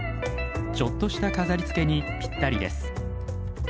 ちょっとした飾りつけにぴったりです。